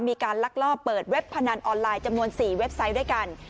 ลักลอบเปิดเว็บพนันออนไลน์จำนวน๔เว็บไซต์ด้วยกัน